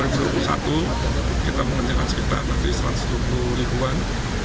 di dua ribu dua puluh satu kita mengerjakan sekitar satu ratus dua puluh ribuan